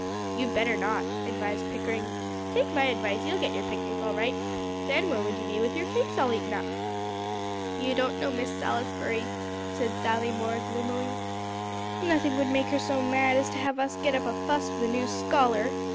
"You better not," advised Pickering. "Take my advice; you'll get your picnic all right; then where would you be with your cakes all eaten up?" "You don't know Miss Salisbury," said Sally Moore gloomily; "nothing would make her so mad as to have us get up a fuss with a new scholar.